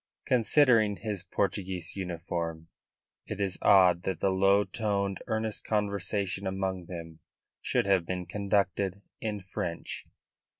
Considering his Portuguese uniform, it is odd that the low toned, earnest conversation amongst them should have been conducted in French.